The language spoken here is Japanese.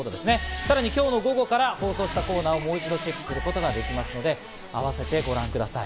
さらに今日の午後から放送したコーナーをもう一度チェックすることができますのであわせてご覧ください。